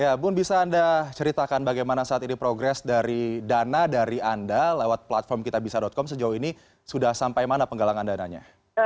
ya bun bisa anda ceritakan bagaimana saat ini progres dari dana dari anda lewat platform kitabisa com sejauh ini sudah sampai mana penggalangan dananya